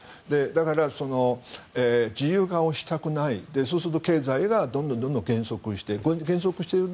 だから自由化をしたくないそうすると経済がどんどん減速していく。